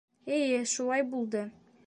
— Эйе, шулай булды...